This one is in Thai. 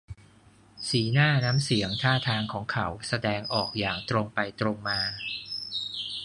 สีหน้า น้ำเสียง ท่าทางของเขาแสดงออกอย่างตรงไปตรงมา